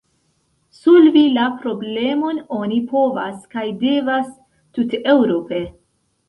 Solvi la problemon oni povas kaj devas tuteŭrope.